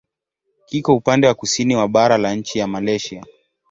Kiko upande wa kusini wa bara la nchi ya Malaysia.